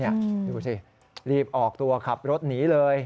ดูสิรีบออกตัวขับรถหนีเลย